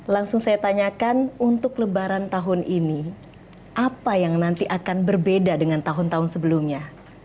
langsung saya tanyakan untuk lebaran tahun ini apa yang nanti akan berbeda dengan tahun tahun sebelumnya